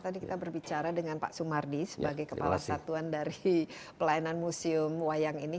tadi kita berbicara dengan pak sumardi sebagai kepala satuan dari pelayanan museum wayang ini